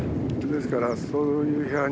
ですから。